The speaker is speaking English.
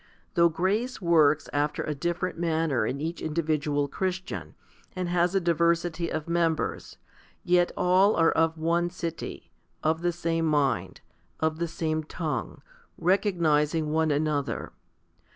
Though grace works after a different manner in each individual Christian, and has a diversity of members, yet all are of one city, of the same mind, of the 1 Gen. xviii. 27. 2 Ps. xxii. 6. HOMILY XII 91 same tongue, recognising one another.